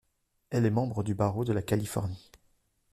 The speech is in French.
Elle est membre du Barreau de la Californie.